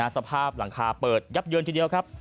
สภาพหลังคาเปิดยับเยินทีเดียวครับ